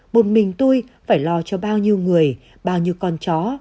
một mình tôi phải lo cho bao nhiêu người bao nhiêu con chó